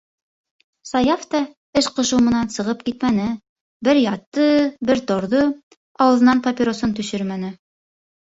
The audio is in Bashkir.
Саяф та эш ҡушыу менән сығып китмәне, бер ятты, бер торҙо, ауыҙынан папиросын төшөрмәне.